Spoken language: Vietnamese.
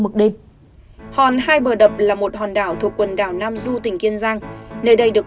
một đêm hòn hai bờ đập là một hòn đảo thuộc quần đảo nam du tỉnh kiên giang nơi đây được